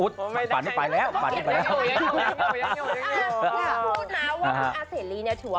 ลูกดูอุดการปั่นปายแล้วปั่นไปแล้ว